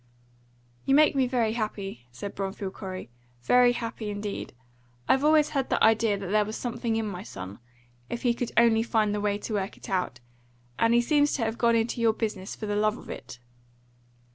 "You make me very happy," said Bromfield Corey. "Very happy indeed. I've always had the idea that there was something in my son, if he could only find the way to work it out. And he seems to have gone into your business for the love of it."